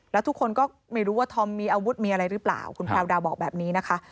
แล้วทุกคนก็ไม่รู้ว่าธอมมีอาวุธมีอะไรหรือเปล่าคุณแพลวดาวบอกแบบนี้นะคะ